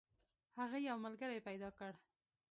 هغه یو ملګری پیدا کړ.